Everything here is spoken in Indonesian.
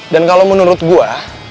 dan kalo menurut gue